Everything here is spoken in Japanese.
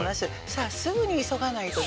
さあすぐに急がないと。